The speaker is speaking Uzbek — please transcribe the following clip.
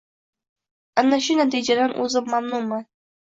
Ana shu natijadan o‘zim mamnunman.